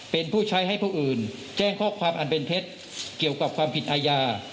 เป็นผู้ใช้ให้ผู้อื่นแจ้งข้อความอันเป็นเท็จเกี่ยวกับความผิดอาญา